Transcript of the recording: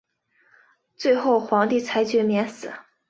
最后皇帝裁决免死。